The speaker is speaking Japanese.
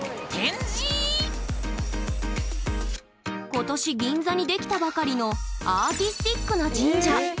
今年銀座に出来たばかりのアーティスティックな神社。